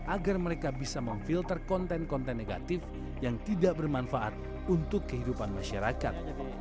agar mereka bisa memfilter konten konten negatif yang tidak bermanfaat untuk kehidupan masyarakat